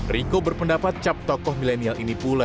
riko berpendapat cap tokoh milenial ini pula